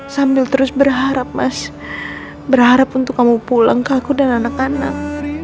sambil terus berharap mas berharap untuk kamu pulang ke aku dan anak anak